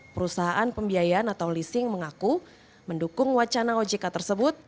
perusahaan pembiayaan atau leasing mengaku mendukung wacana ojk tersebut